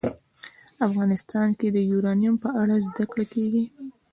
افغانستان کې د یورانیم په اړه زده کړه کېږي.